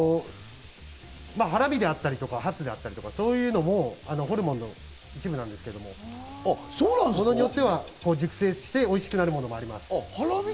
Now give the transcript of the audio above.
ハラミであったりハツだったり、そういうのもホルモンの一部なんですけど、ものによっては熟成しておいしくなるものもあります。